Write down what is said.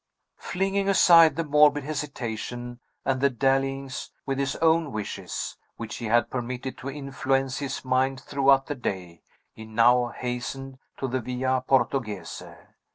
Flinging aside the morbid hesitation, and the dallyings with his own wishes, which he had permitted to influence his mind throughout the day, he now hastened to the Via Portoghese.